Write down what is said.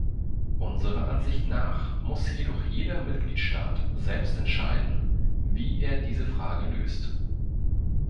Unserer Ansicht nach muss jedoch jeder Mitgliedstaat selbst entscheiden, wie er diese Frage löst.